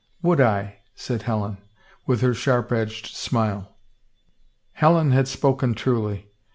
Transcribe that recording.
" Would I ?" said Helen, with her sharp edged smile. Helen had spoken truly.